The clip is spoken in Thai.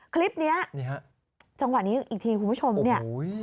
คลิปนี้อีกที่คุณผู้ชมนี้